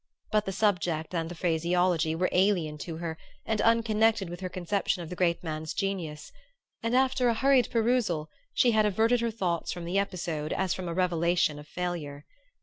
But the subject and the phraseology were alien to her and unconnected with her conception of the great man's genius; and after a hurried perusal she had averted her thoughts from the episode as from a revelation of failure.